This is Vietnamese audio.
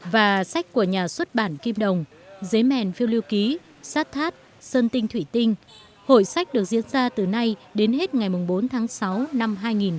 và sách của nhà xuất bản kim đồng dưới mèn phiêu lưu ký sát thát sơn tinh thủy tinh hội sách được diễn ra từ nay đến hết ngày bốn tháng sáu năm hai nghìn một mươi chín